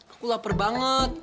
aku lapar banget